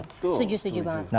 setuju setuju banget